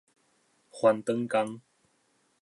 翻轉工